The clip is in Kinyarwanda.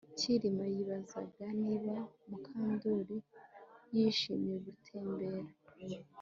Kirima yibazaga niba Mukandoli yishimiye gutembera